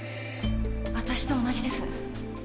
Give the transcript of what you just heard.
私と同じです。